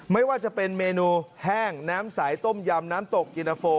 ไม่ว่าจะเป็นเมนูแห้งน้ำสายต้มยำน้ำตกกินนาโฟ